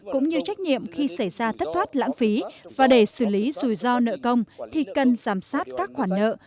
cũng như trách nhiệm khi xảy ra thất thoát lãng phí và để xử lý rủi ro nợ công thì cần giảm sát các khoản nợ